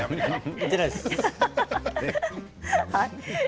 言ってないです。